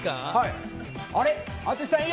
あれ？